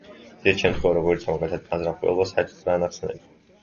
ისეთი შემთხვევა როგორიცაა მაგალითად განზრახ მკვლელობა, საერთოდ არაა ნახსენები.